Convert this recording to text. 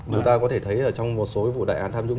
chúng ta có thể thấy trong một số vụ đại án tham dũng